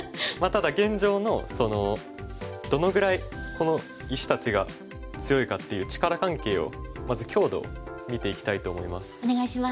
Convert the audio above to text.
ただ現状のどのぐらいこの石たちが強いかっていう力関係をまず強度を見ていきたいと思います。